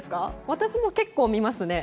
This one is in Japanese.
私も結構見ますね。